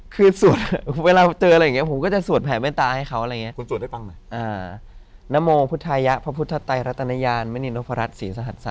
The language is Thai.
คือสวดเวลาเจออะไรอย่างนี้ผมก็จะสวดแผ่แม่ตาให้เขาอะไรอย่างนี้